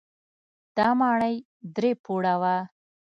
دا ماڼۍ درې پوړه وه.